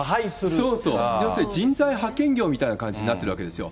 要するに人材派遣業みたいになってるわけですよ。